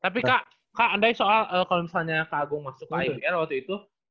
tapi kak andai soal kalau misalnya kak agung masuk ke icr waktu itu